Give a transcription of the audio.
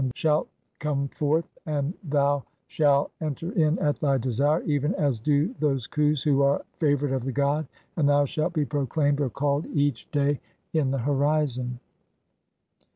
and thou shalt come forth and thou "shalt enter in at thy desire, even as do those khus who are "favoured [of the god], and thou shalt be proclaimed [or called) "each day in the horizon."